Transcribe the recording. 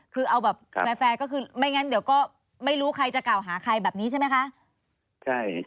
คือเอาแบบแฟร์ก็คือไม่งั้นเดี๋ยวก็ไม่รู้ใครจะกล่าวหาใครแบบนี้ใช่ไหมคะ